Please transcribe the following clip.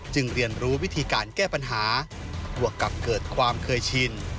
เรียนรู้วิธีการแก้ปัญหาบวกกับเกิดความเคยชิน